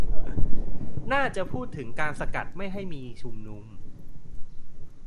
น่าจะพูดถึงการสกัดไม่ให้มีชุมนุม